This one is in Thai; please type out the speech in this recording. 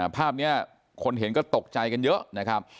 ภาพนี้คนเห็นก็ตกใจกันเยอะนะครับ